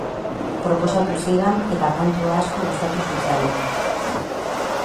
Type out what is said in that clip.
Proposatu zidan, eta kantua asko gustatu zitzaidan.